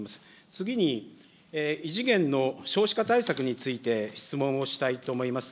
次に、異次元の少子化対策について、質問をしたいと思います。